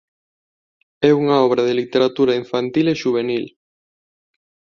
É unha obra de literatura infantil e xuvenil.